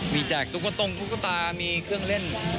มีแจกตุ๊กตรงตุ๊กตามีเครื่องเล่น